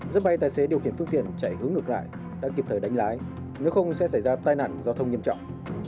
giữa bay tài xế điều khiển phương tiện chạy ngược lại đã kịp thời đánh lái nếu không sẽ xảy ra tai nạn giao thông nghiêm trọng